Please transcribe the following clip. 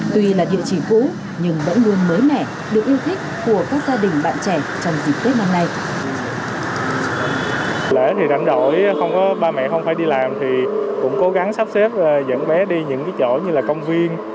tuy là địa chỉ cũ nhưng vẫn luôn nguyên